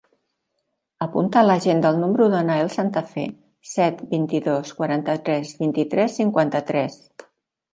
Apunta a l'agenda el número del Nael Santafe: set, vint-i-dos, quaranta-tres, vint-i-tres, cinquanta-tres.